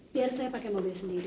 biar saya pakai mobil sendiri